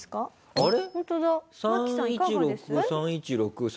あれ？